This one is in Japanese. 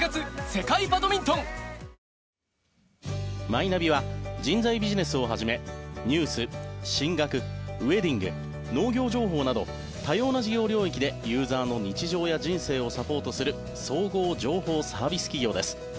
マイナビは人材ビジネスをはじめニュース、進学ウェディング、農業情報など多様な事業領域でユーザーの日常や人生をサポートする総合情報サービス企業です。